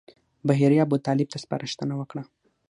بهیري ابوطالب ته سپارښتنه وکړه.